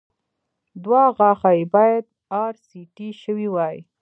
دوه غاښه يې باید ار سي ټي شوي وای